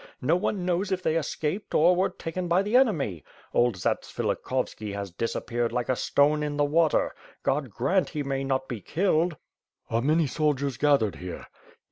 No one knows if they escaped or were taken by the enemy. Old Zatsvilikhovski has disappeared like a stone in the water. God grant, he may not be killed." "Are many soldiers gathered here?"